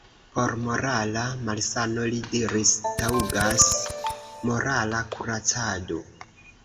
Por morala malsano, li diris, taŭgas morala kuracado.